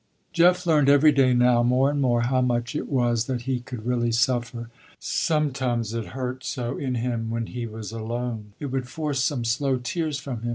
Jeff learned every day now, more and more, how much it was that he could really suffer. Sometimes it hurt so in him, when he was alone, it would force some slow tears from him.